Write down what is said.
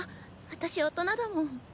私大人だもん。